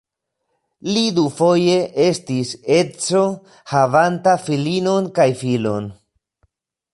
Li dufoje estis edzo havanta filinon kaj filon.